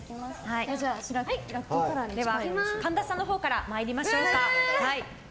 神田さんのほうから参りましょうか。